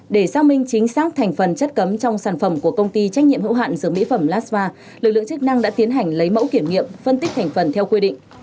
để xác minh chính xác thành phần chất cấm trong sản phẩm của công ty trách nhiệm hữu hạn dược mỹ phẩm lasva lực lượng chức năng đã tiến hành lấy mẫu kiểm nghiệm phân tích thành phần theo quy định